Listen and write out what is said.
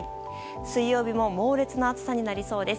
水曜日も猛烈な暑さになりそうです。